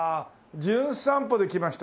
『じゅん散歩』で来ました